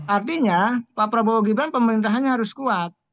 artinya pak prabowo gibran pemerintahannya harus kuat